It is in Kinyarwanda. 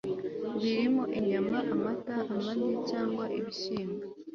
birimo inyama, amata, amagi, cyangwa ibishyimbo